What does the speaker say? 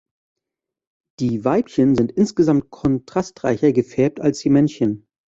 Die Weibchen sind insgesamt kontrastreicher gefärbt als die Männchen.